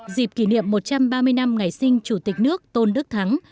dịp kỷ niệm một trăm ba mươi năm ngày sinh chủ tịch nước tôn đức thắng